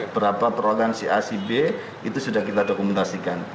berapa progresi acb itu sudah kita dokumentasikan